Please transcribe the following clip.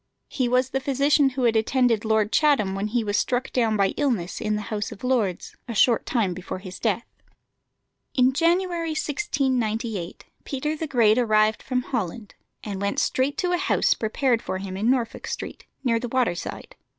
He was the physician who had attended Lord Chatham when he was struck down by illness in the House of Lords, a short time before his death. In January 1698 Peter the Great arrived from Holland, and went straight to a house prepared for him in Norfolk Street, near the water side.